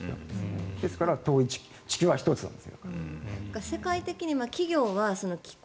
ですから、地球は１つなんです。